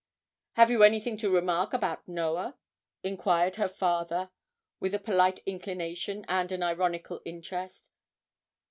'Have you anything to remark about Noah?' enquired her father, with a polite inclination and an ironical interest.